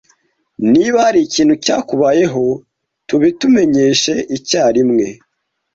Niba hari ikintu cyakubayeho, tubitumenyeshe icyarimwe.